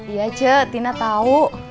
iya ce tina tau